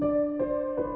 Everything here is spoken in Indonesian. gak ada bantuan